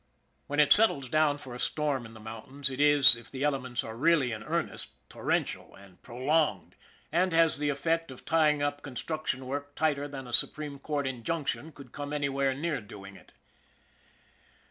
When it settles down for a storm in the mountains, it is, if the elements are really in earnest, torrential, and prolonged, and has the effect of tying up con struction work tighter than a supreme court injunction could come anywhere near doing it.